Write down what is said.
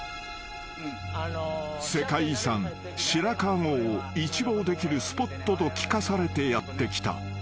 ［世界遺産白川郷を一望できるスポットと聞かされてやって来た］